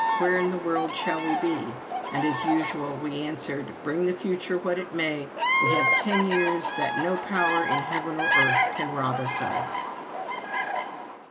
Where in the world shall we be?" And as usual we answered, "Bring the future what it may, we have ten years that no power in heaven or earth can rob us of!"